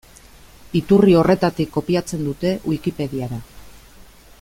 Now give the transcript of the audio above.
Iturri horretatik kopiatzen dute Wikipediara.